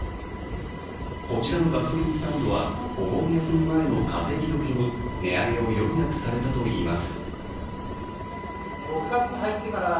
こちらのガソリンスタンドはお盆休み前の稼ぎどきに値上げを余儀なくされたといいます。